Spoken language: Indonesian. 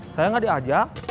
saya gak diajak